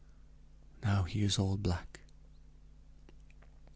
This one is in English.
Now he is all black."